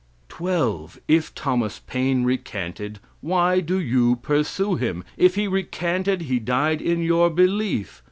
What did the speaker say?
12. If Thomas Paine recanted, why do you pursue him? If he recanted he died in your belief.